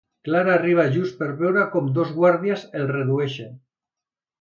Clara arriba just per veure com dos guàrdies el redueixen.